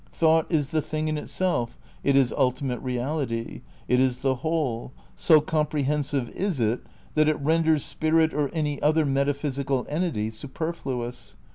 Thought is the Thing in Itself ; it is ultimate Eeality; it is the Whole; so comprehensive is it that it renders Spirit or any other metaphysical entity superfluous.